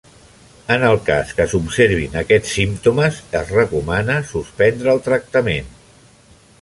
En el cas que s'observin aquests símptomes, es recomana suspendre el tractament.